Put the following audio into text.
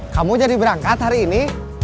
kamu jadi berangkat hari ini